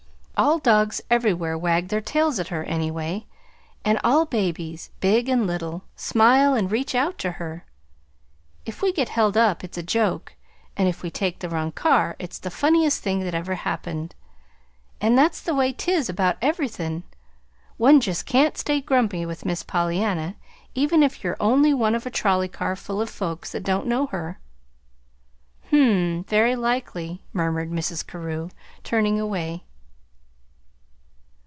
All dogs everywhere wag their tails at her, anyway, and all babies, big and little, smile and reach out to her. If we get held up it's a joke, and if we take the wrong car, it's the funniest thing that ever happened. And that's the way 'tis about everythin'. One just can't stay grumpy, with Miss Pollyanna, even if you're only one of a trolley car full of folks that don't know her." "Hm m; very likely," murmured Mrs. Carew, turning away.